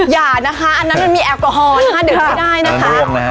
อย่านะคะอันนั้นมันมีแอลกอฮอลถ้าดื่มไม่ได้นะคะ